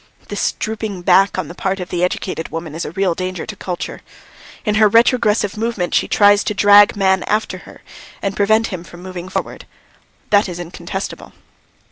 This dropping back on the part of the educated woman is a real danger to culture; in her retrogressive movement she tries to drag man after her and prevents him from moving forward. That is incontestable."